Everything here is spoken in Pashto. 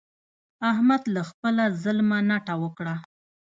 احمد له خپله ظلمه نټه وکړه.